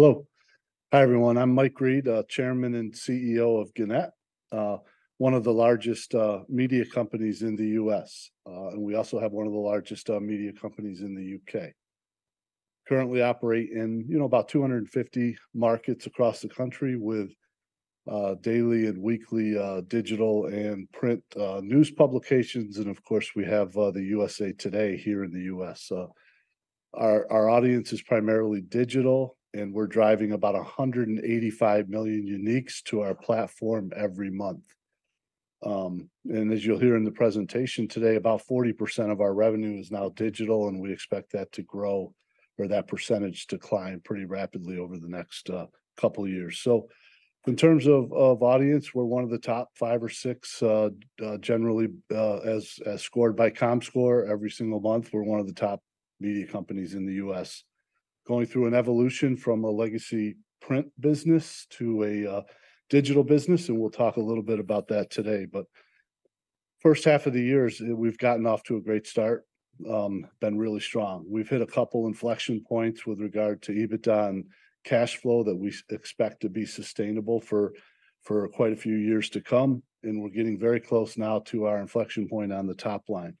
Hello. Hi, everyone. I'm Mike Reed, Chairman and CEO of Gannett, one of the largest media companies in the U.S. And we also have one of the largest media companies in the U.K. Currently operate in, you know, about 250 markets across the country with daily and weekly digital and print news publications, and of course, we have the USA TODAY here in the U.S. So our audience is primarily digital, and we're driving about 185 million uniques to our platform every month. And as you'll hear in the presentation today, about 40% of our revenue is now digital, and we expect that to grow or that percentage to climb pretty rapidly over the next couple of years. So in terms of, of audience, we're one of the top five or six, generally, as, as scored by Comscore every single month. We're one of the top media companies in the U.S. Going through an evolution from a legacy print business to a, digital business, and we'll talk a little bit about that today. But first half of the year, we've gotten off to a great start, been really strong. We've hit a couple inflection points with regard to EBITDA and cash flow that we expect to be sustainable for, for quite a few years to come, and we're getting very close now to our inflection point on the top line.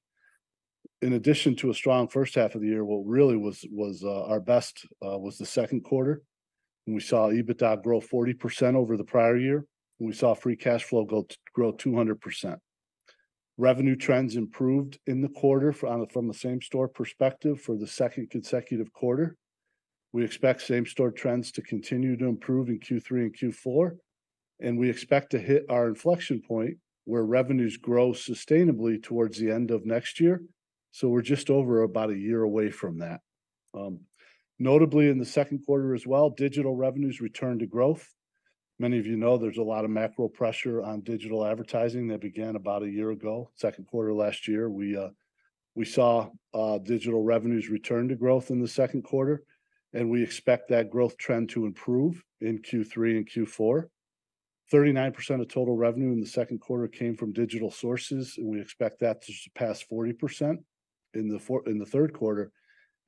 In addition to a strong first half of the year, what really was, was, our best was the second quarter, when we saw EBITDA grow 40% over the prior year, and we saw free cash flow grow 200%. Revenue trends improved in the quarter from the same store perspective for the second consecutive quarter. We expect same store trends to continue to improve in Q3 and Q4, and we expect to hit our inflection point, where revenues grow sustainably, towards the end of next year, so we're just over about a year away from that. Notably, in the second quarter as well, digital revenues returned to growth. Many of you know, there's a lot of macro pressure on digital advertising that began about a year ago, second quarter of last year. We, we saw digital revenues return to growth in the second quarter, and we expect that growth trend to improve in Q3 and Q4. 39% of total revenue in the second quarter came from digital sources, and we expect that to surpass 40% in the third quarter.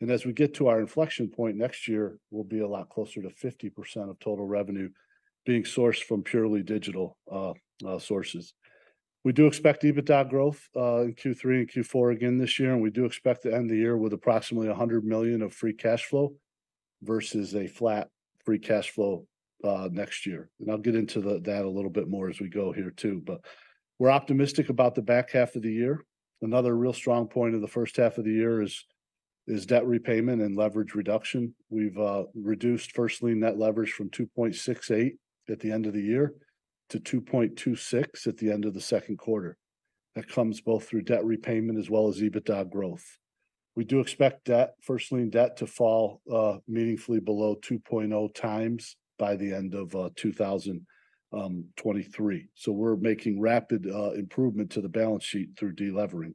As we get to our inflection point next year, we'll be a lot closer to 50% of total revenue being sourced from purely digital sources. We do expect EBITDA growth in Q3 and Q4 again this year, and we do expect to end the year with approximately $100 million of free cash flow versus a flat free cash flow next year. I'll get into the data a little bit more as we go here, too, but we're optimistic about the back half of the year. Another real strong point of the first half of the year is debt repayment and leverage reduction. We've reduced First Lien Net Leverage from 2.68 at the end of the year to 2.26 at the end of the second quarter. That comes both through debt repayment as well as EBITDA growth. We do expect debt, first lien debt to fall meaningfully below 2.0x by the end of 2023. So we're making rapid improvement to the balance sheet through delevering.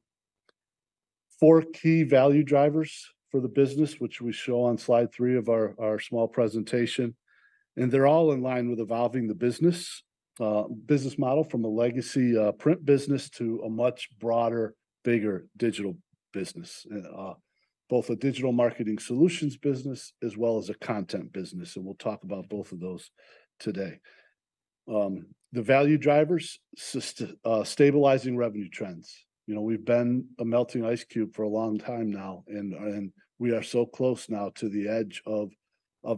4 key value drivers for the business, which we show on slide 3 of our small presentation, and they're all in line with evolving the business model from a legacy print business to a much broader, bigger digital business. Both a digital marketing solutions business as well as a content business, and we'll talk about both of those today. The value drivers, stabilizing revenue trends. You know, we've been a melting ice cube for a long time now, and we are so close now to the edge of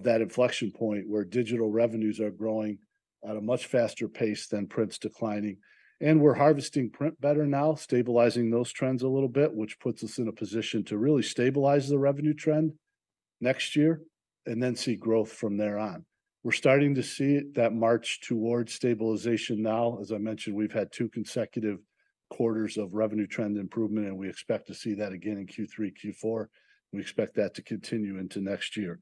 that inflection point where digital revenues are growing at a much faster pace than print's declining. We're harvesting print better now, stabilizing those trends a little bit, which puts us in a position to really stabilize the revenue trend next year and then see growth from there on. We're starting to see that march towards stabilization now. As I mentioned, we've had two consecutive quarters of revenue trend improvement, and we expect to see that again in Q3, Q4, and we expect that to continue into next year.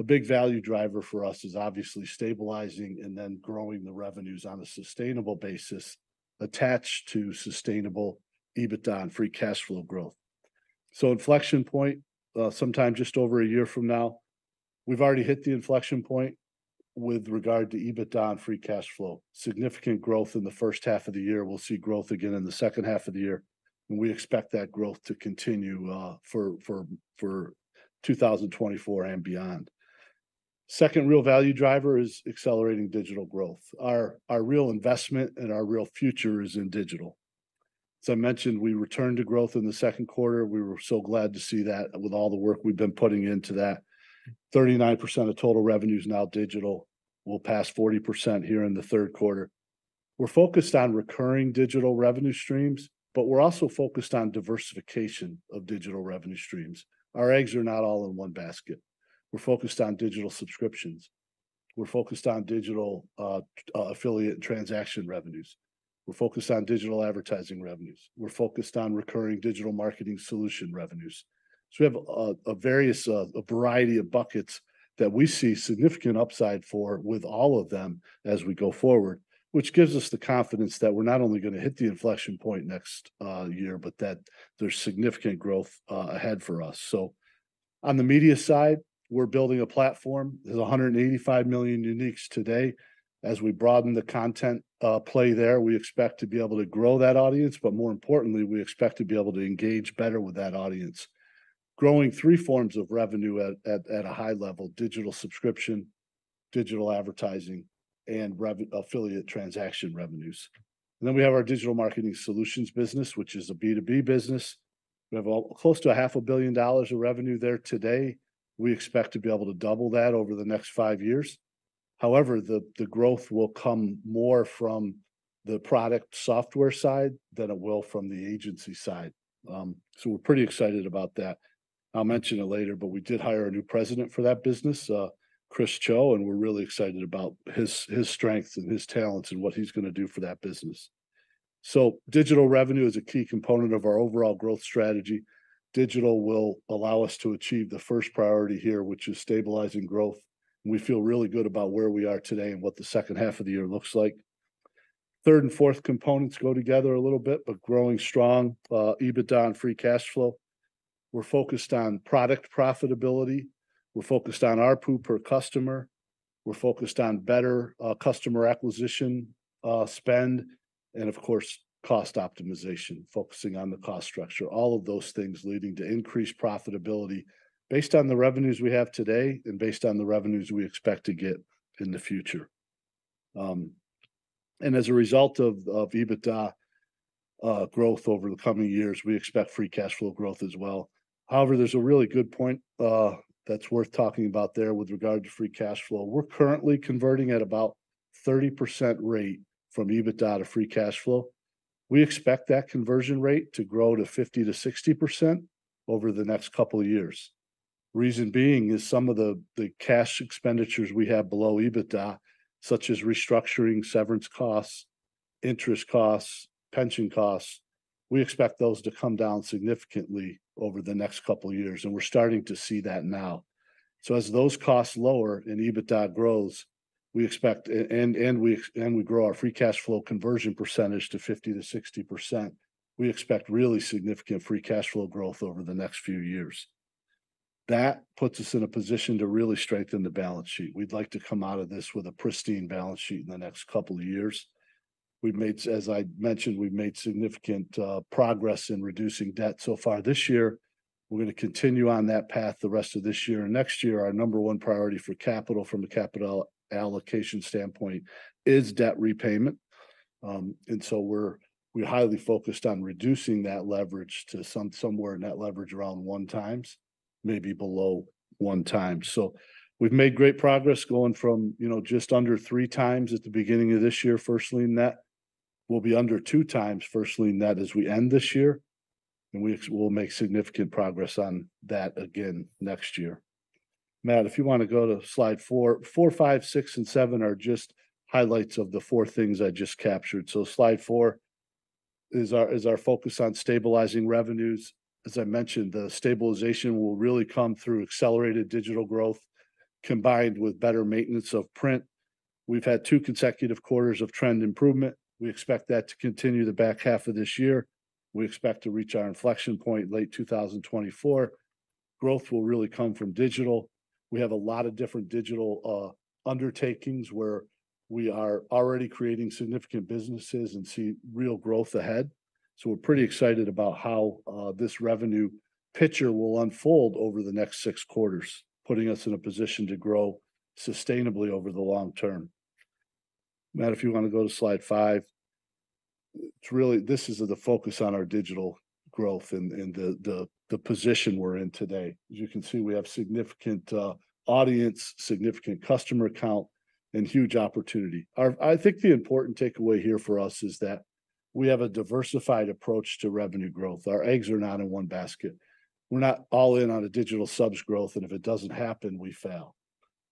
A big value driver for us is obviously stabilizing and then growing the revenues on a sustainable basis attached to sustainable EBITDA and free cash flow growth. So, inflection point sometime just over a year from now. We've already hit the inflection point with regard to EBITDA and free cash flow. Significant growth in the first half of the year. We'll see growth again in the second half of the year, and we expect that growth to continue for 2024 and beyond. Second real value driver is accelerating digital growth. Our real investment and our real future is in digital. As I mentioned, we returned to growth in the second quarter. We were so glad to see that with all the work we've been putting into that. 39% of total revenue is now digital. We'll pass 40% here in the third quarter. We're focused on recurring digital revenue streams, but we're also focused on diversification of digital revenue streams. Our eggs are not all in one basket. We're focused on digital subscriptions. We're focused on digital affiliate and transaction revenues. We're focused on digital advertising revenues. We're focused on recurring digital marketing solution revenues. So we have a variety of buckets that we see significant upside for with all of them as we go forward, which gives us the confidence that we're not only gonna hit the inflection point next year, but that there's significant growth ahead for us. So on the media side, we're building a platform. There's 185 million uniques today. As we broaden the content play there, we expect to be able to grow that audience, but more importantly, we expect to be able to engage better with that audience. Growing three forms of revenue at a high level: digital subscriptions, digital advertising, and affiliate transaction revenues. And then we have our digital marketing solutions business, which is a B2B business. We have close to $500 million of revenue there today. We expect to be able to double that over the next five years. However, the growth will come more from the product software side than it will from the agency side. So we're pretty excited about that. I'll mention it later, but we did hire a new president for that business, Chris Cho, and we're really excited about his, his strengths and his talents, and what he's gonna do for that business. So digital revenue is a key component of our overall growth strategy. Digital will allow us to achieve the first priority here, which is stabilizing growth. We feel really good about where we are today and what the second half of the year looks like. Third and fourth components go together a little bit, but growing strong, EBITDA and Free Cash Flow. We're focused on product profitability, we're focused on ARPU per customer, we're focused on better, customer acquisition, spend, and of course, cost optimization, focusing on the cost structure. All of those things leading to increased profitability based on the revenues we have today and based on the revenues we expect to get in the future. And as a result of EBITDA growth over the coming years, we expect free cash flow growth as well. However, there's a really good point that's worth talking about there with regard to free cash flow. We're currently converting at about 30% rate from EBITDA to free cash flow. We expect that conversion rate to grow to 50%-60% over the next couple of years. Reason being is some of the cash expenditures we have below EBITDA, such as restructuring, severance costs, interest costs, pension costs, we expect those to come down significantly over the next couple of years, and we're starting to see that now. So as those costs lower and EBITDA grows, and we grow our free cash flow conversion percentage to 50%-60%, we expect really significant free cash flow growth over the next few years. That puts us in a position to really strengthen the balance sheet. We'd like to come out of this with a pristine balance sheet in the next couple of years. We've made, as I mentioned, we've made significant progress in reducing debt so far this year. We're gonna continue on that path the rest of this year and next year. Our number one priority for capital from a capital allocation standpoint is debt repayment. And so we're highly focused on reducing that leverage to somewhere net leverage around 1x, maybe below 1x. So we've made great progress going from, you know, just under 3x at the beginning of this year, first lien net leverage will be under 2x first lien net leverage as we end this year, and we'll make significant progress on that again next year. Matt, if you wanna go to slide four. four, five, six, and seven are just highlights of the four things I just captured. So slide four is our focus on stabilizing revenues. As I mentioned, the stabilization will really come through accelerated digital growth, combined with better maintenance of print. We've had two consecutive quarters of trend improvement. We expect that to continue the back half of this year. We expect to reach our inflection point late 2024. Growth will really come from digital. We have a lot of different digital undertakings where we are already creating significant businesses and see real growth ahead. So we're pretty excited about how this revenue picture will unfold over the next six quarters, putting us in a position to grow sustainably over the long term. Matt, if you wanna go to slide five. It's really... This is the focus on our digital growth and the position we're in today. As you can see, we have significant audience, significant customer account, and huge opportunity. I think the important takeaway here for us is that we have a diversified approach to revenue growth. Our eggs are not in one basket. We're not all in on a digital subs growth, and if it doesn't happen, we fail.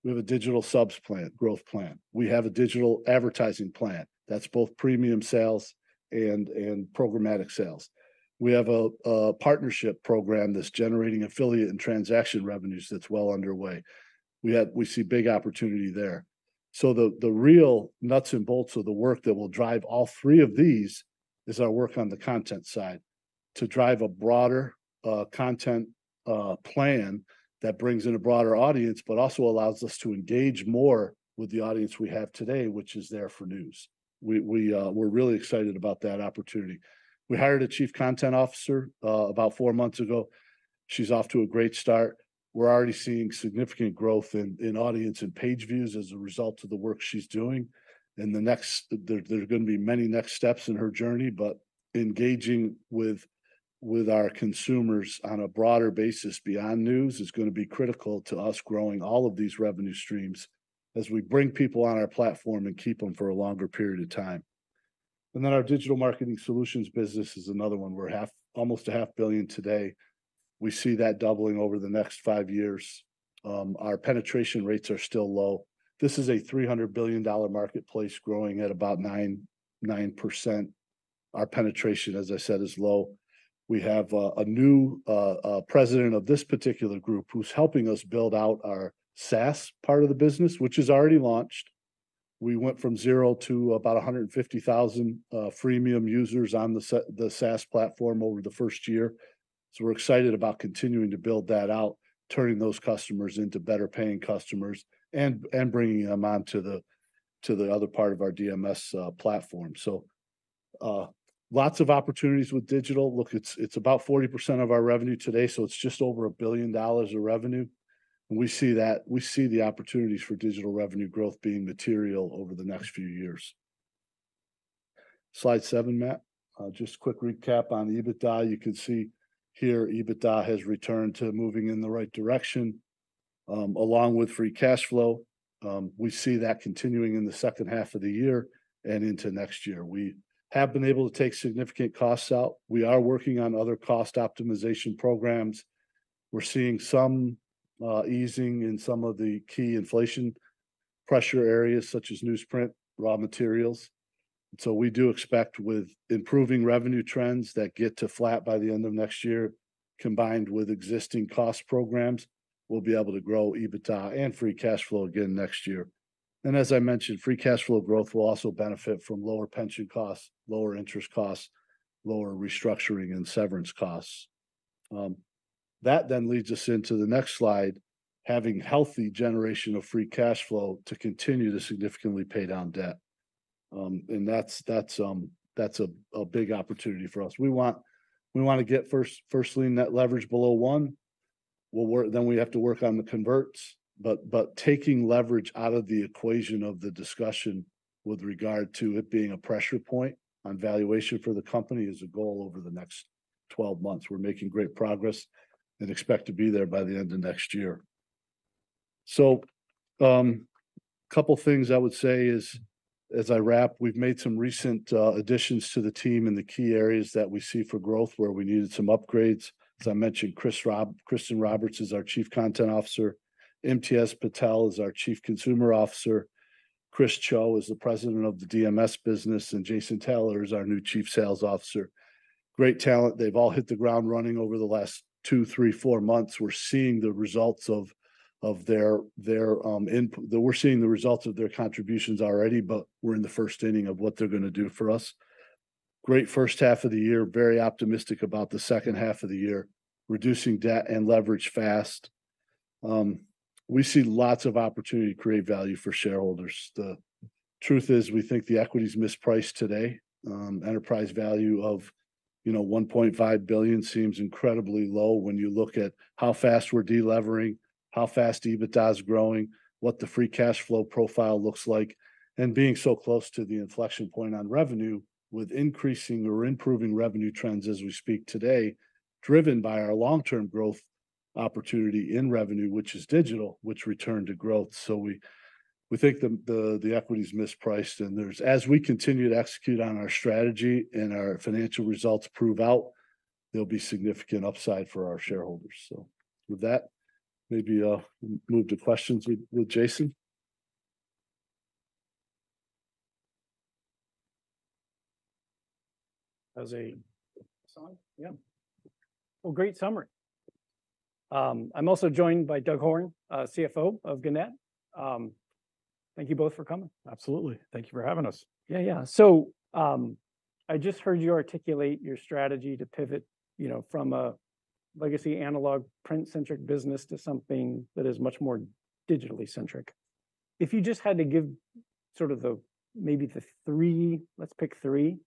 We have a digital subs plan, growth plan. We have a digital advertising plan that's both premium sales and programmatic sales. We have a partnership program that's generating affiliate and transaction revenues that's well underway. We see big opportunity there. So the real nuts and bolts of the work that will drive all three of these is our work on the content side. To drive a broader content plan that brings in a broader audience, but also allows us to engage more with the audience we have today, which is there for news. We're really excited about that opportunity. We hired a Chief Content Officer about four months ago. She's off to a great start. We're already seeing significant growth in audience and page views as a result of the work she's doing. And the next... There's gonna be many next steps in her journey, but engaging with our consumers on a broader basis beyond news is gonna be critical to us growing all of these revenue streams as we bring people on our platform and keep them for a longer period of time. And then our digital marketing solutions business is another one. We're almost half a billion today. We see that doubling over the next five years. Our penetration rates are still low. This is a $300 billion marketplace growing at about 9%. Our penetration, as I said, is low. We have a new president of this particular group who's helping us build out our SaaS part of the business, which is already launched. We went from zero to about 150,000 freemium users on the SaaS platform over the first year. So we're excited about continuing to build that out, turning those customers into better-paying customers, and bringing them on to the other part of our DMS platform. So lots of opportunities with digital. Look, it's about 40% of our revenue today, so it's just over $1 billion of revenue, and we see that we see the opportunities for digital revenue growth being material over the next few years. Slide seven, Matt. Just a quick recap on EBITDA. You can see here, EBITDA has returned to moving in the right direction, along with free cash flow. We see that continuing in the second half of the year and into next year. We have been able to take significant costs out. We are working on other cost optimization programs. We're seeing some easing in some of the key inflation pressure areas, such as newsprint, raw materials. So we do expect with improving revenue trends that get to flat by the end of next year, combined with existing cost programs, we'll be able to grow EBITDA and Free Cash Flow again next year. And as I mentioned, Free Cash Flow growth will also benefit from lower pension costs, lower interest costs, lower restructuring and severance costs. That then leads us into the next slide, having healthy generation of Free Cash Flow to continue to significantly pay down debt. And that's a big opportunity for us. We want, we wanna get first- firstly, net leverage below one. We'll work... Then we have to work on the converts, but taking leverage out of the equation of the discussion with regard to it being a pressure point on valuation for the company is a goal over the next 12 months. We're making great progress and expect to be there by the end of next year. So, a couple of things I would say is, as I wrap, we've made some recent additions to the team in the key areas that we see for growth, where we needed some upgrades. As I mentioned, Kristin Roberts is our Chief Content Officer, Imtiaz Patel is our Chief Consumer Officer, Chris Cho is the President of the DMS business, and Jason Taylor is our new Chief Sales Officer. Great talent. They've all hit the ground running over the last two, three, four months. We're seeing the results of their contributions already, but we're in the first inning of what they're gonna do for us. Great first half of the year, very optimistic about the second half of the year, reducing debt and leverage fast. We see lots of opportunity to create value for shareholders. The truth is, we think the equity is mispriced today. Enterprise value of, you know, $1.5 billion seems incredibly low when you look at how fast we're delevering, how fast EBITDA is growing, what the free cash flow profile looks like, and being so close to the inflection point on revenue, with increasing or improving revenue trends as we speak today, driven by our long-term growth opportunity in revenue, which is digital, which return to growth. So we think the equity is mispriced, and there's, as we continue to execute on our strategy and our financial results prove out, there'll be significant upside for our shareholders. So with that, maybe I'll move to questions with Jason. How's it? Yeah. Well, great summary. I'm also joined by Doug Horne, CFO of Gannett. Thank you both for coming. Absolutely. Thank you for having us. Yeah, yeah. So, I just heard you articulate your strategy to pivot, you know, from a legacy analog print-centric business to something that is much more digitally centric. If you just had to give sort of the, maybe the three, let's pick three,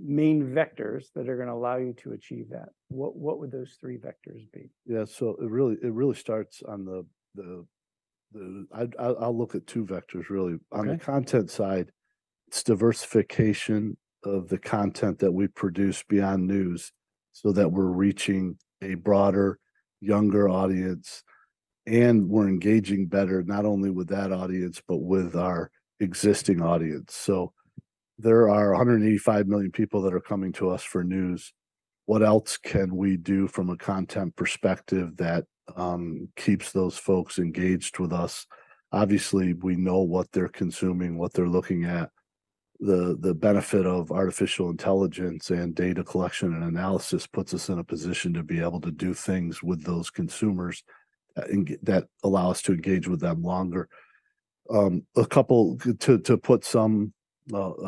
main vectors that are gonna allow you to achieve that, what, what would those three vectors be? Yeah, so it really starts on the... I'll look at two vectors, really. Okay. On the content side, it's diversification of the content that we produce beyond news, so that we're reaching a broader, younger audience, and we're engaging better, not only with that audience, but with our existing audience. So there are 185 million people that are coming to us for news. What else can we do from a content perspective that keeps those folks engaged with us? Obviously, we know what they're consuming, what they're looking at. The benefit of artificial intelligence and data collection and analysis puts us in a position to be able to do things with those consumers that allow us to engage with them longer.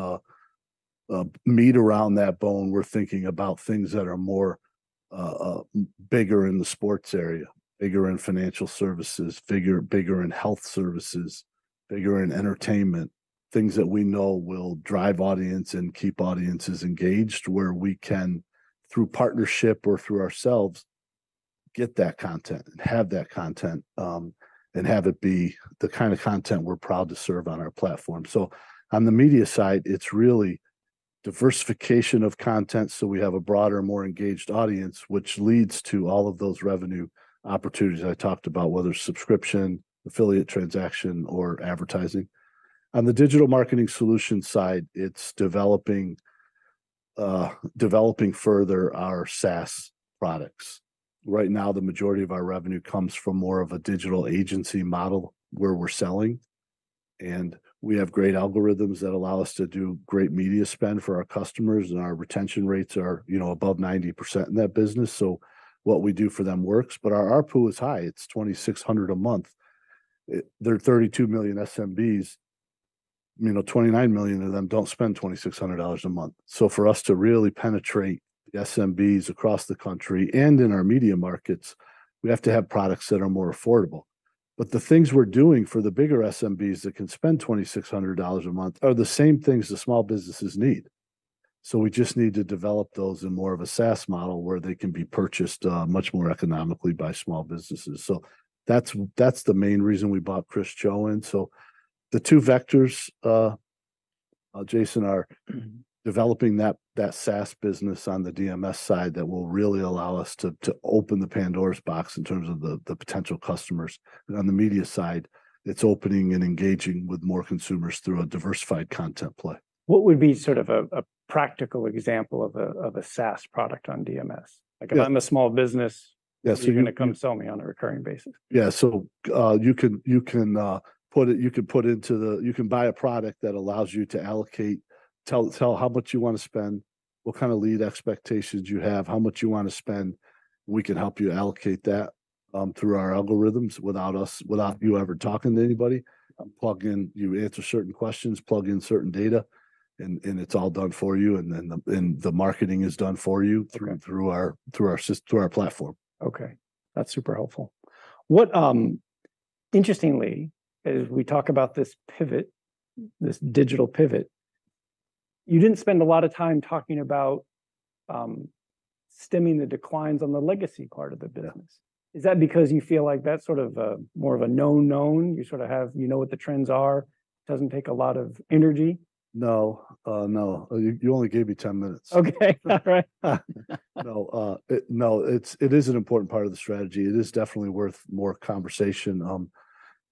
To put some meat around that bone, we're thinking about things that are more bigger in the sports area, bigger in financial services, bigger in health services, bigger in entertainment. Things that we know will drive audience and keep audiences engaged, where we can, through partnership or through ourselves, get that content and have that content, and have it be the kind of content we're proud to serve on our platform. So on the media side, it's really diversification of content, so we have a broader, more engaged audience, which leads to all of those revenue opportunities I talked about, whether subscription, affiliate transaction, or advertising. On the digital marketing solution side, it's developing further our SaaS products. Right now, the majority of our revenue comes from more of a digital agency model where we're selling, and we have great algorithms that allow us to do great media spend for our customers, and our retention rates are, you know, above 90% in that business. So what we do for them works, but our ARPU is high, it's $2,600 a month. There are 32 million SMBs, you know, 29 million of them don't spend $2,600 a month. So for us to really penetrate the SMBs across the country and in our media markets, we have to have products that are more affordable. But the things we're doing for the bigger SMBs that can spend $2,600 a month are the same things the small businesses need. So we just need to develop those in more of a SaaS model, where they can be purchased much more economically by small businesses. So that's the main reason we brought Chris Cho in. So the two vectors, Jason, are developing that SaaS business on the DMS side that will really allow us to open the Pandora's box in terms of the potential customers. And on the media side, it's opening and engaging with more consumers through a diversified content play. What would be sort of a practical example of a SaaS product on DMS? Yeah. Like, if I'm a small business- Yes, you're- You're gonna come sell me on a recurring basis. Yeah. So, you can put into the— You can buy a product that allows you to allocate, tell how much you want to spend, what kind of lead expectations you have, how much you want to spend. We can help you allocate that through our algorithms without you ever talking to anybody. Plug in... You answer certain questions, plug in certain data, and it's all done for you, and then the marketing is done for you- Okay... through our platform. Okay, that's super helpful. What, interestingly, as we talk about this pivot, this digital pivot, you didn't spend a lot of time talking about, stemming the declines on the legacy part of the business. Yeah. Is that because you feel like that's sort of a, more of a known known, you sort of have, you know what the trends are, doesn't take a lot of energy? No. No. You only gave me 10 minutes. Okay. Right. No, it's, it is an important part of the strategy. It is definitely worth more conversation.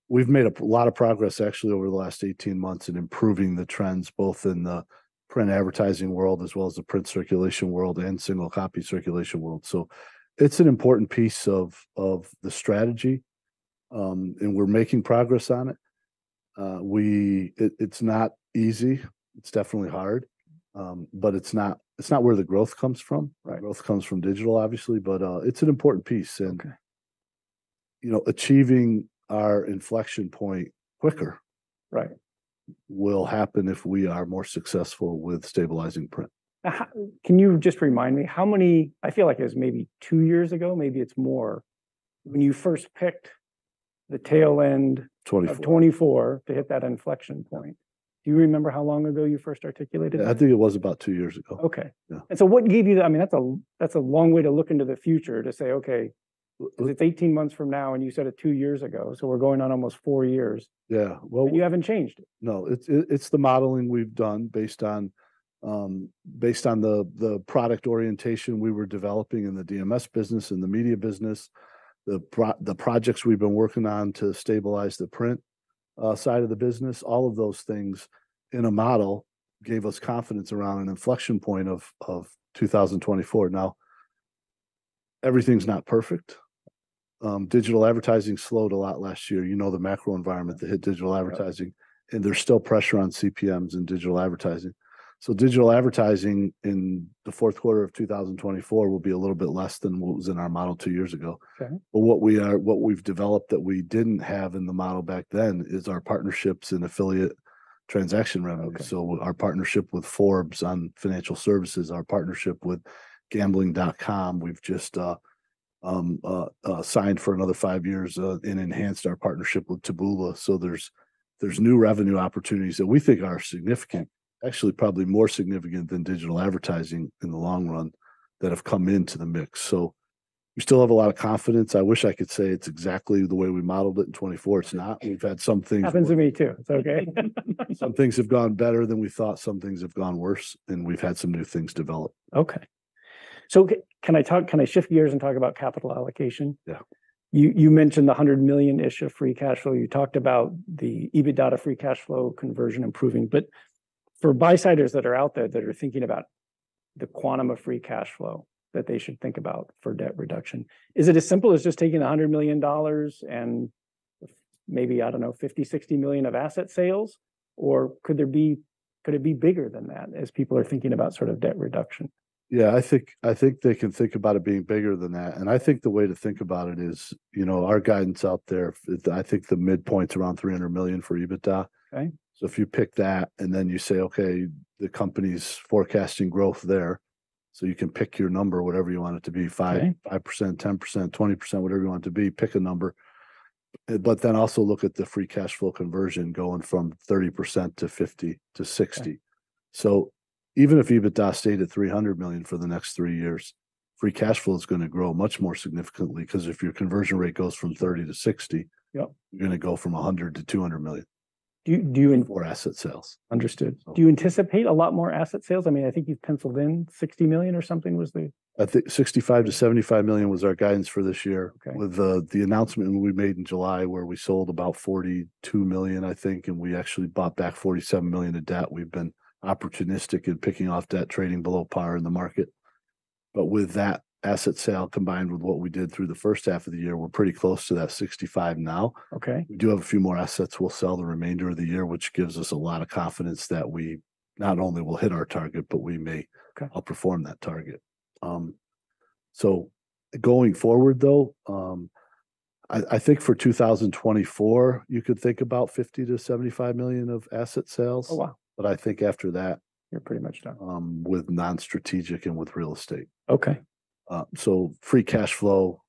We've made a lot of progress actually over the last 18 months in improving the trends, both in the print advertising world as well as the print circulation world and single copy circulation world. So it's an important piece of the strategy, and we're making progress on it. It's not easy. It's definitely hard, but it's not where the growth comes from. Right. Growth comes from digital, obviously, but it's an important piece- Okay... and, you know, achieving our inflection point quicker- Right ... will happen if we are more successful with stabilizing print. Can you just remind me, how many? I feel like it was maybe two years ago, maybe it's more, when you first picked the tail end. Twenty-four... of 2024 to hit that inflection point. Do you remember how long ago you first articulated it? I think it was about two years ago. Okay. Yeah. And so what gave you the... I mean, that's a, that's a long way to look into the future, to say, "Okay, it's 18 months from now," and you said it two years ago, so we're going on almost 4 years. Yeah. Well- You haven't changed it. No, it's the modeling we've done based on the product orientation we were developing in the DMS business, in the media business, the projects we've been working on to stabilize the print side of the business. All of those things in a model gave us confidence around an inflection point of 2024. Now, everything's not perfect. Digital advertising slowed a lot last year. You know, the macro environment that hit digital advertising- Right... and there's still pressure on CPMs in digital advertising. So digital advertising in the fourth quarter of 2024 will be a little bit less than what was in our model two years ago. Okay. But what we are, what we've developed that we didn't have in the model back then, is our partnerships and affiliate transaction revenue. Okay. So our partnership with Forbes on financial services, our partnership with Gambling.com, we've just signed for another five years, and enhanced our partnership with Taboola. So there's new revenue opportunities that we think are significant, actually, probably more significant than digital advertising in the long run, that have come into the mix. So we still have a lot of confidence. I wish I could say it's exactly the way we modelled it in 2024. It's not. We've had some things- Happens to me too. It's okay. Some things have gone better than we thought, some things have gone worse, and we've had some new things develop. Okay. So can I talk, can I shift gears and talk about capital allocation? Yeah. You, you mentioned the 100 million-ish of free cash flow. You talked about the EBITDA free cash flow conversion improving. But for bystanders that are out there that are thinking about the quantum of free cash flow that they should think about for debt reduction, is it as simple as just taking $100 million and maybe, I don't know, $50-$60 million of asset sales? Or could there be- could it be bigger than that, as people are thinking about sort of debt reduction? Yeah, I think, I think they can think about it being bigger than that. And I think the way to think about it is, you know, our guidance out there. I think the midpoint is around $300 million for EBITDA. Okay. So if you pick that, and then you say, "Okay, the company's forecasting growth there," so you can pick your number, whatever you want it to be- Okay... 5, 5%, 10%, 20%, whatever you want it to be, pick a number. But then also look at the Free Cash Flow conversion going from 30% to 50 to 60. Okay. Even if EBITDA stayed at $300 million for the next three years, free cash flow is gonna grow much more significantly, 'cause if your conversion rate goes from 30-60- Yep... you're gonna go from $100 million-$200 million. Do you- More asset sales. Understood. So- Do you anticipate a lot more asset sales? I mean, I think you've penciled in $60 million or something, was the- I think $65 million-$75 million was our guidance for this year. Okay. With the announcement we made in July, where we sold about $42 million, I think, and we actually bought back $47 million of debt. We've been opportunistic in picking off debt, trading below par in the market. But with that asset sale, combined with what we did through the first half of the year, we're pretty close to that $65 now. Okay. We do have a few more assets we'll sell the remainder of the year, which gives us a lot of confidence that we not only will hit our target, but we may- Okay... outperform that target. So going forward, though, I think for 2024, you could think about $50 million-$75 million of asset sales. Oh, wow! But I think after that- You're pretty much done.... with non-strategic and with real estate. Okay.... so Free Cash Flow,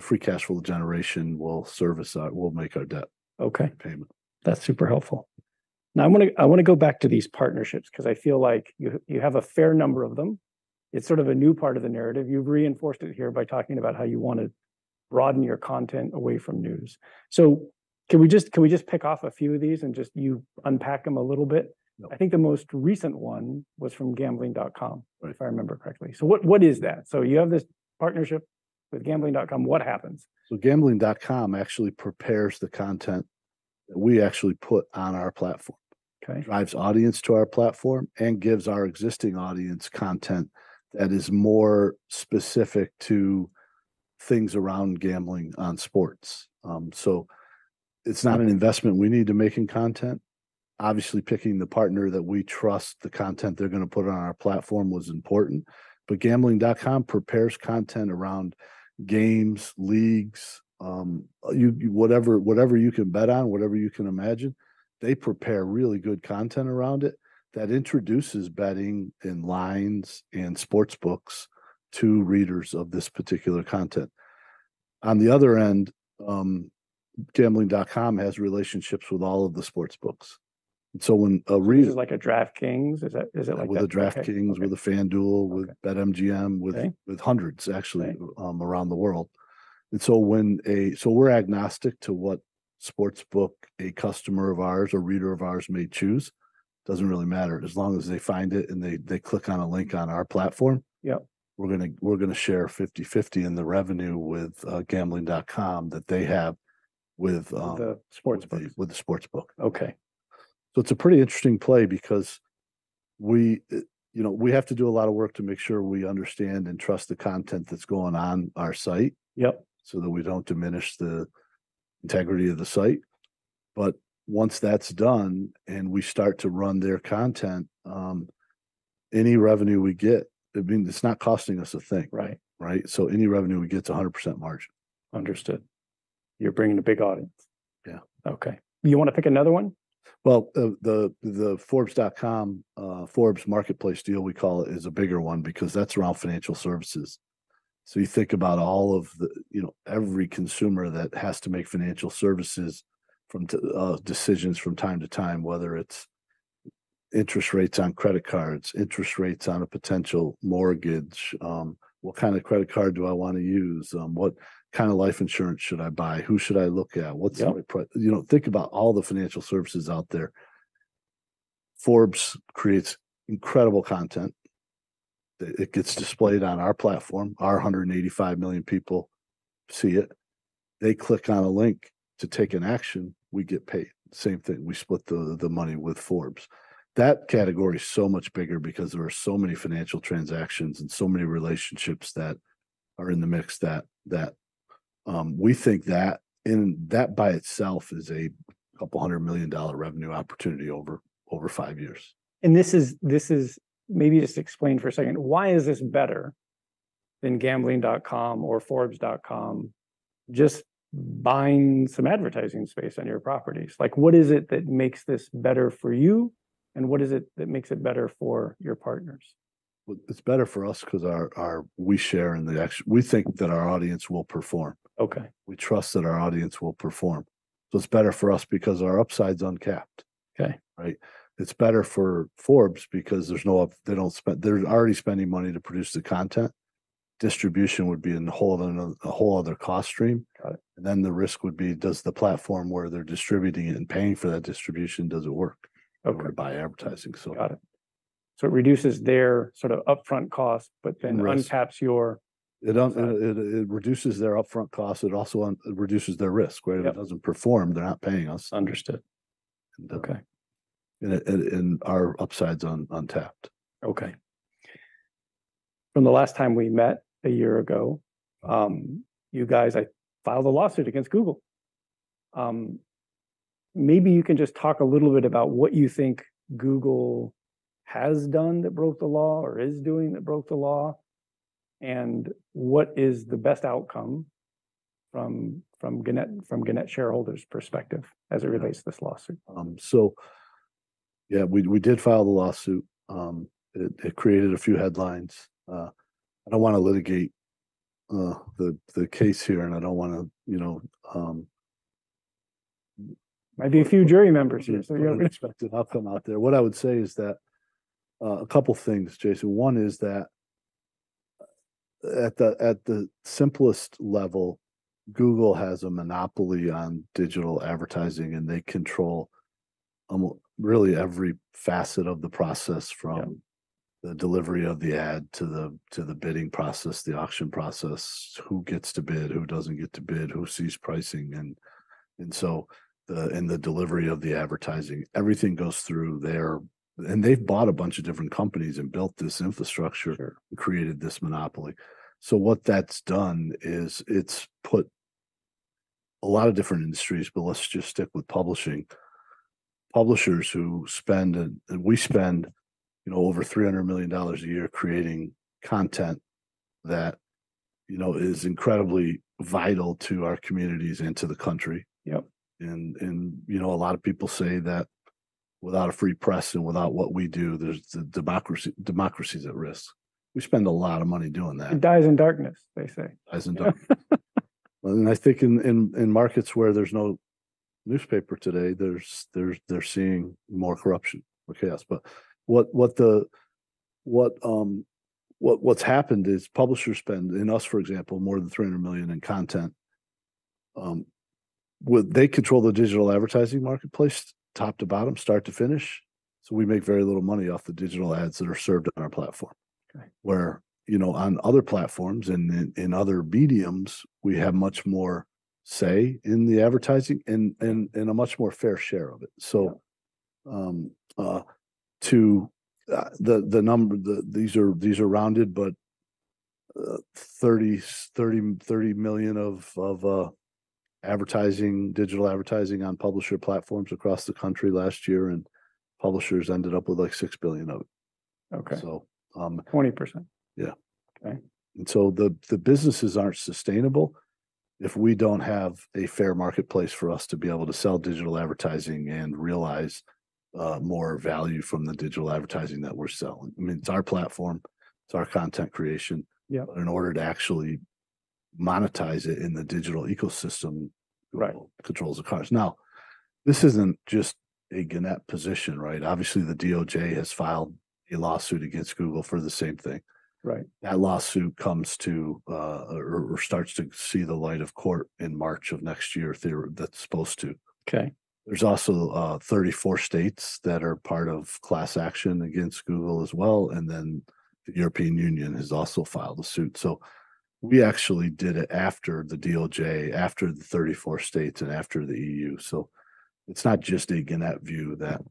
Free Cash Flow generation will service our, will make our debt- Okay. -payment. That's super helpful. Now, I wanna, I wanna go back to these partnerships, 'cause I feel like you, you have a fair number of them. It's sort of a new part of the narrative. You've reinforced it here by talking about how you wanna broaden your content away from news. So can we just, can we just pick off a few of these, and just you unpack them a little bit? No. I think the most recent one was from Gambling.com- Right... if I remember correctly. So what, what is that? So you have this partnership with Gambling.com, what happens? Gambling.com actually prepares the content that we actually put on our platform. Okay. Drives audience to our platform, and gives our existing audience content that is more specific to things around gambling on sports. So it's not an investment we need to make in content. Obviously, picking the partner that we trust, the content they're gonna put on our platform was important, but Gambling.com prepares content around games, leagues, whatever, whatever you can bet on, whatever you can imagine, they prepare really good content around it that introduces betting, and lines, and sports books to readers of this particular content. On the other end, Gambling.com has relationships with all of the sports books. So when a reader- Is it like a DraftKings? Is that, is it like that? With a DraftKings- Okay... with a FanDuel- Okay... with BetMGM- Okay... with hundreds, actually- Right... around the world. So we're agnostic to what sports book a customer of ours or reader of ours may choose. Doesn't really matter, as long as they find it, and they click on a link on our platform- Yep... we're gonna share 50/50 in the revenue with Gambling.com that they have with With the sports book. With the sports book. Okay. So it's a pretty interesting play because we, you know, we have to do a lot of work to make sure we understand and trust the content that's going on our site- Yep... so that we don't diminish the integrity of the site. But once that's done, and we start to run their content, any revenue we get, I mean, it's not costing us a thing. Right. Right? So any revenue we get is 100% margin. Understood. You're bringing a big audience. Yeah. Okay. You wanna pick another one? Well, the Forbes.com, Forbes Marketplace deal, we call it, is a bigger one, because that's around financial services. So you think about all of the... you know, every consumer that has to make financial services decisions from time to time, whether it's interest rates on credit cards, interest rates on a potential mortgage, what kind of credit card do I wanna use? What kind of life insurance should I buy? Who should I look at? Yep. What's the right... You know, think about all the financial services out there. Forbes creates incredible content. It gets displayed on our platform, our 185 million people see it. They click on a link to take an action, we get paid. Same thing, we split the money with Forbes. That category is so much bigger because there are so many financial transactions and so many relationships that are in the mix, that we think that, and that by itself is a $200 million revenue opportunity over five years. And this is... Maybe just explain for a second, why is this better than Gambling.com or Forbes.com just buying some advertising space on your properties? Like, what is it that makes this better for you, and what is it that makes it better for your partners? Well, it's better for us 'cause our, we share in the act- we think that our audience will perform. Okay. We trust that our audience will perform. So it's better for us because our upside's uncapped. Okay. Right? It's better for Forbes because they don't spend... They're already spending money to produce the content. Distribution would be in a whole other cost stream. Got it. Then the risk would be, does the platform where they're distributing it and paying for that distribution, does it work? Okay... or by advertising? So. Got it. So it reduces their sort of upfront cost- Right... but then uncaps your- It reduces their upfront cost, it also reduces their risk, right? Yep. If it doesn't perform, they're not paying us. Understood. Okay. Our upside's untapped. Okay. From the last time we met a year ago, you guys, like, filed a lawsuit against Google. Maybe you can just talk a little bit about what you think Google has done that broke the law, or is doing that broke the law, and what is the best outcome from, from Gannett, from Gannett shareholders' perspective as it relates to this lawsuit? So yeah, we did file the lawsuit. It created a few headlines. I don't wanna litigate the case here, and I don't wanna, you know, Might be a few jury members here, so you - Expected outcome out there. What I would say is that, a couple things, Jason. One is that, at the simplest level, Google has a monopoly on digital advertising, and they control almost really every facet of the process- Yep... from the delivery of the ad to the bidding process, the auction process, who gets to bid, who doesn't get to bid, who sees pricing. And so, the delivery of the advertising, everything goes through there. And they've bought a bunch of different companies and built this infrastructure- Sure... created this monopoly. So what that's done is it's put a lot of different industries, but let's just stick with publishing. Publishers who spend, and we spend, you know, over $300 million a year creating content that, you know, is incredibly vital to our communities and to the country. Yep. You know, a lot of people say that without a free press and without what we do, there's the democracy, democracy's at risk. We spend a lot of money doing that. It dies in darkness, they say. Democracy dies in darkness. I think in markets where there's no newspaper today, they're seeing more corruption or chaos. What's happened is publishers spend, in the U.S. for example, more than $300 million in content. Well, they control the digital advertising marketplace, top to bottom, start to finish. So we make very little money off the digital ads that are served on our platform. Right. Where, you know, on other platforms and in other mediums, we have much more say in the advertising and a much more fair share of it. Yeah. To the number, these are rounded, but $30 million of advertising, digital advertising on publisher platforms across the country last year, and publishers ended up with, like, $6 billion of it. Okay. So, um- Twenty percent? Yeah. Okay. And so the businesses aren't sustainable if we don't have a fair marketplace for us to be able to sell digital advertising and realize more value from the digital advertising that we're selling. I mean, it's our platform, it's our content creation- Yeah... but in order to actually monetize it in the digital ecosystem- Right Google controls the ads. Now, this isn't just a Gannett position, right? Obviously, the DOJ has filed a lawsuit against Google for the same thing. Right. That lawsuit starts to see the light of day in court in March of next year. Theoretically, that's supposed to. Okay. There's also 34 states that are part of class action against Google as well, and then the European Union has also filed a suit. So we actually did it after the DOJ, after the 34 states, and after the EU. So it's not just a Gannett view that,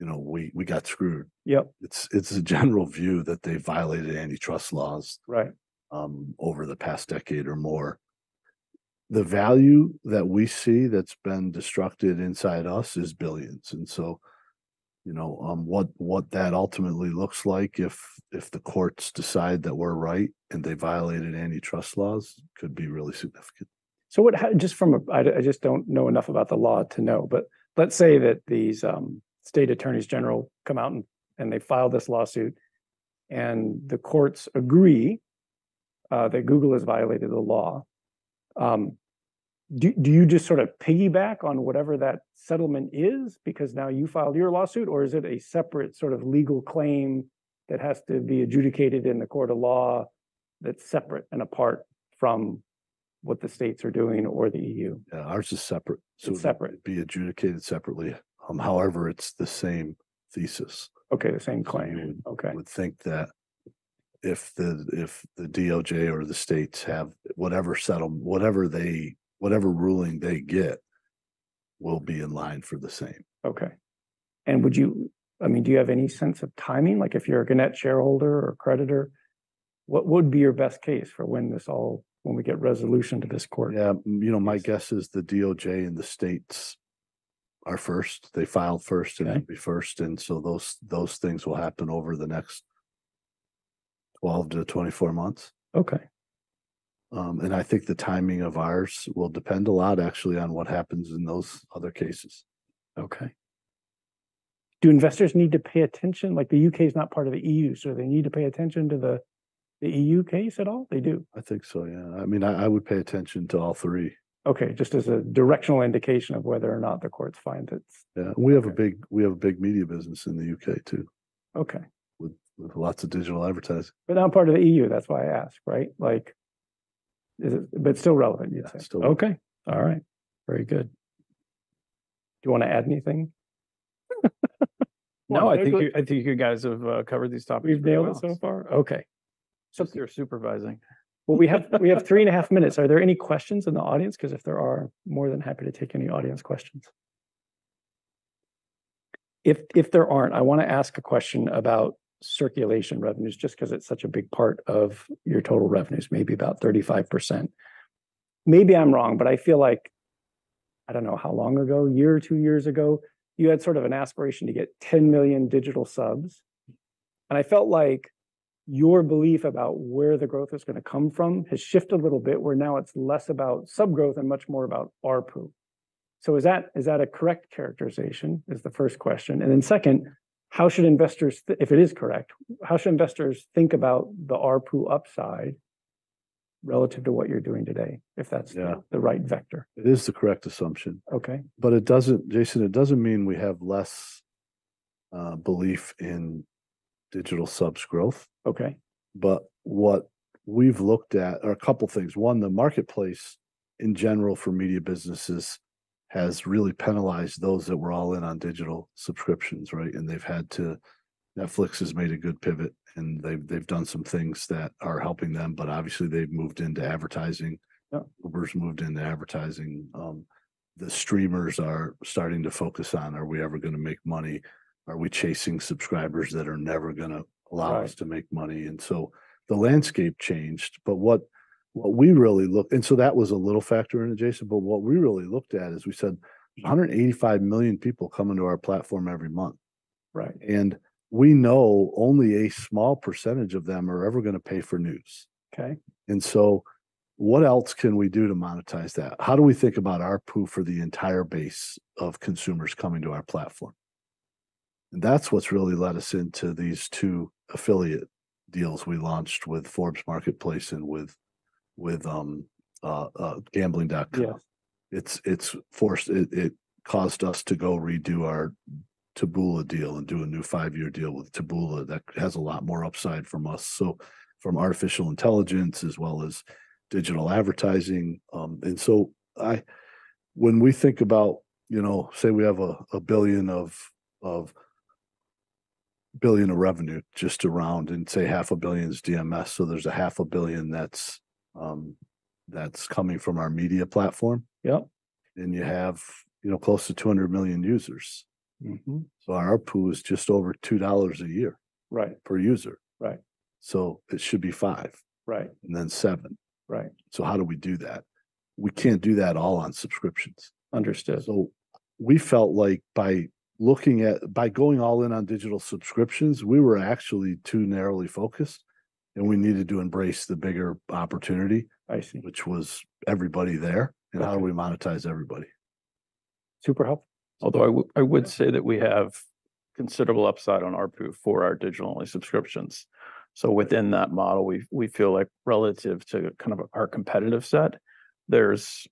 you know, we, we got screwed. Yep. It's a general view that they violated antitrust laws- Right... over the past decade or more. The value that we see that's been destroyed inside us is billions. And so, you know, what that ultimately looks like if the courts decide that we're right and they violated antitrust laws, could be really significant. So, just from a... I just don't know enough about the law to know, but let's say that these state attorneys general come out and they file this lawsuit, and the courts agree that Google has violated the law. Do you just sort of piggyback on whatever that settlement is because now you filed your lawsuit, or is it a separate sort of legal claim that has to be adjudicated in the court of law that's separate and apart from what the states are doing, or the EU? Yeah, ours is separate. So separate. Be adjudicated separately. However, it's the same thesis. Okay. The same claim. Mm-hmm. Okay. I would think that if the DOJ or the states have whatever ruling they get, we'll be in line for the same. Okay. And would you, I mean, do you have any sense of timing? Like, if you're a Gannett shareholder or creditor, what would be your best case for when this all, when we get resolution to this court? Yeah. You know, my guess is the DOJ and the states are first. They filed first- Okay... and they'll be first, and so those, those things will happen over the next 12-24 months. Okay. I think the timing of ours will depend a lot actually on what happens in those other cases. Okay. Do investors need to pay attention? Like, the U.K. is not part of the E.U., so they need to pay attention to the E.U. case at all? They do. I think so, yeah. I mean, I, I would pay attention to all three. Okay, just as a directional indication of whether or not the courts find it's- Yeah. Okay. We have a big media business in the UK too. Okay. With lots of digital advertising. But not part of the E.U., that's why I asked, right? Like, is it... But still relevant, you'd say. Yeah, still relevant. Okay. All right. Very good. Do you wanna add anything? No, I think you, I think you guys have covered these topics very well. We've nailed it so far? Okay. Since you're supervising. Well, we have 3.5 minutes. Are there any questions in the audience? 'Cause if there are, more than happy to take any audience questions. If there aren't, I wanna ask a question about circulation revenues, just 'cause it's such a big part of your total revenues, maybe about 35%. Maybe I'm wrong, but I feel like, I don't know how long ago, one year or two years ago, you had sort of an aspiration to get 10 million digital subs. And I felt like your belief about where the growth is gonna come from has shifted a little bit, where now it's less about sub growth and much more about ARPU. So is that a correct characterization? That's the first question. And then second, how should investors th... If it is correct, how should investors think about the ARPU upside relative to what you're doing today, if that's- Yeah... the right vector? It is the correct assumption. Okay. But it doesn't, Jason, it doesn't mean we have less belief in digital subs growth. Okay. But what we've looked at, are a couple things. One, the marketplace in general for media businesses has really penalized those that were all in on digital subscriptions, right? And they've had to... Netflix has made a good pivot, and they've, they've done some things that are helping them, but obviously, they've moved into advertising. Yep. Uber's moved into advertising. The streamers are starting to focus on, "Are we ever gonna make money? Are we chasing subscribers that are never gonna- Right... allow us to make money?" And so the landscape changed. But, and so that was a little factor in it, Jason, but what we really looked at is, we said, "185 million people come into our platform every month"... and we know only a small percentage of them are ever gonna pay for news. Okay. And so what else can we do to monetize that? How do we think about ARPU for the entire base of consumers coming to our platform? And that's what's really led us into these two affiliate deals we launched with Forbes Marketplace and with Gambling.com. Yeah. It's forced, it caused us to go redo our Taboola deal and do a new five-year deal with Taboola that has a lot more upside from us. So from artificial intelligence as well as digital advertising. And so I- when we think about, you know, say we have a $1 billion of revenue just around and say $500 million is DMS, so there's a $500 million that's coming from our media platform. Yep. You have, you know, close to 200 million users. Mm-hmm. So our ARPU is just over $2 a year- Right... per user. Right. It should be five. Right. And then 7. Right. How do we do that? We can't do that all on subscriptions. Understood. We felt like by going all in on digital subscriptions, we were actually too narrowly focused, and we needed to embrace the bigger opportunity. I see... which was everybody there. Okay. How do we monetize everybody? Super helpful. Although I would say that we have considerable upside on ARPU for our digital-only subscriptions. So within that model, we feel like relative to kind of our competitive set, there's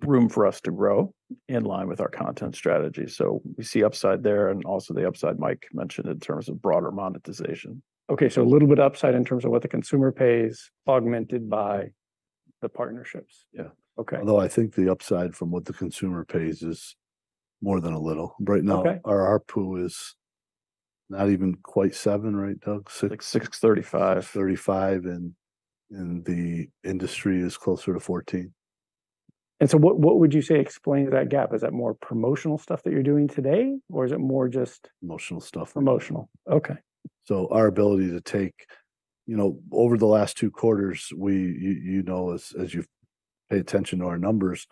room for us to grow in line with our content strategy. So we see upside there and also the upside Mike mentioned in terms of broader monetization. Okay, so a little bit upside in terms of what the consumer pays, augmented by the partnerships? Yeah. Okay. Although I think the upside from what the consumer pays is more than a little. Okay. Right now, our ARPU is not even quite $7, right, Doug? 6- Like 6:35. 35, and, and the industry is closer to 14. What would you say explain that gap? Is that more promotional stuff that you're doing today, or is it more just- Promotional stuff. Promotional. Okay. So our ability to take... You know, over the last two quarters, we, you, you know, as, as you've paid attention to our numbers,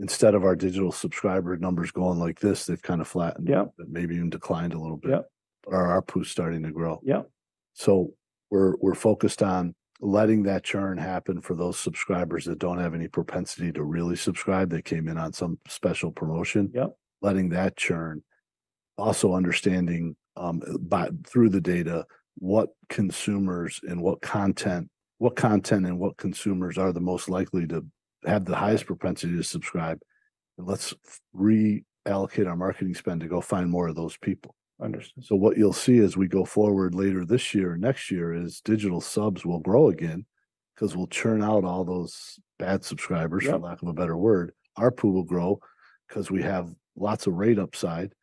instead of our digital subscriber numbers going like this, they've kind of flattened- Yep... maybe even declined a little bit. Yep. Our ARPU is starting to grow. Yep. We're focused on letting that churn happen for those subscribers that don't have any propensity to really subscribe. They came in on some special promotion. Yep. Letting that churn. Also understanding, by, through the data, what consumers and what content, what content and what consumers are the most likely to have the highest propensity to subscribe, and let's reallocate our marketing spend to go find more of those people. Understood. So what you'll see as we go forward later this year, next year, is digital subs will grow again 'cause we'll churn out all those bad subscribers- Yep... for lack of a better word. ARPU will grow 'cause we have lots of rate upside,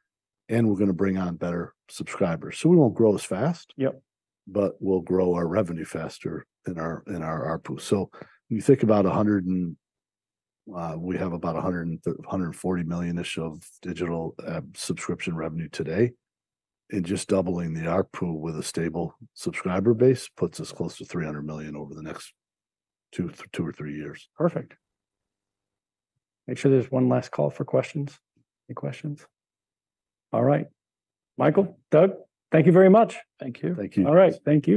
and we're gonna bring on better subscribers. So we won't grow as fast- Yep... but we'll grow our revenue faster than our ARPU. So when you think about, we have about $140 million-ish of digital subscription revenue today, and just doubling the ARPU with a stable subscriber base puts us close to $300 million over the next two or three years. Perfect. Make sure there's one last call for questions. Any questions? All right. Michael, Doug, thank you very much. Thank you. Thank you. All right. Thank you.